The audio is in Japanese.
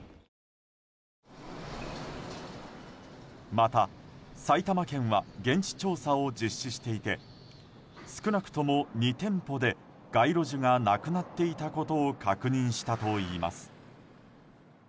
また埼玉県は現地調査を実施していて少なくとも２店舗で街路樹がなくなっていたことを確認したといいます。